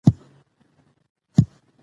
خندا د انسان لپاره ګټوره ده.